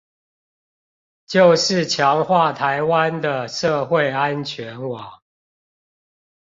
就是強化臺灣的社會安全網